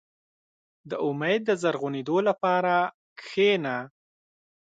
• د امید د زرغونېدو لپاره کښېنه.